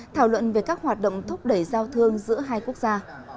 thảo luận về các hoạt động thúc đẩy giao thương giữa hai quốc gia